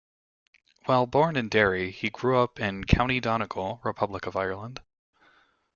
While born in Derry, he grew up in County Donegal, Republic of Ireland.